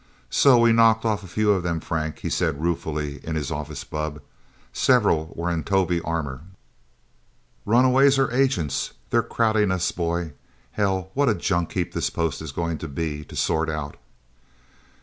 "So we knocked off a few of them, Frank," he said ruefully in his office bubb. "Several were in Tovie armor. Runaways, or agents? They're crowding us, boy. Hell, what a junk heap this post is going to be, to sort out..."